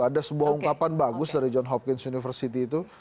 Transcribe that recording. ada sebuah ungkapan bagus dari john hopkins university itu